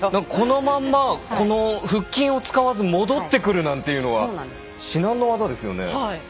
このまんまこの腹筋を使わず戻ってくるなんていうのは至難の業ですよね。